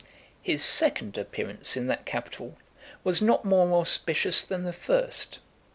His second appearance in that capital was not more auspicious than the first.